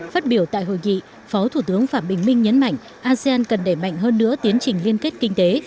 phát biểu tại hội nghị phó thủ tướng phạm bình minh nhấn mạnh asean cần đẩy mạnh hơn nữa tiến trình liên kết kinh tế